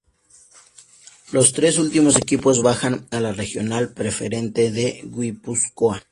Los tres últimos equipos bajan a la Regional Preferente de Guipúzcoa.